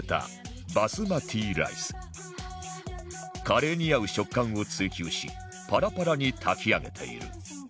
カレーに合う食感を追求しパラパラに炊き上げている